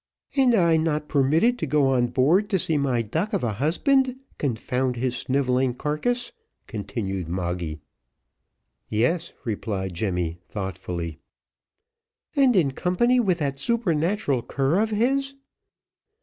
"And I not permitted to go on board to see my duck of a husband confound his snivelling carcass?" continued Moggy. "Yes," replied Jemmy, thoughtfully. "And in company with that supernatual cur of his?"